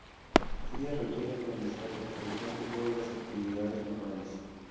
Ella requiere aprendizaje, al igual que todas las actividades manuales.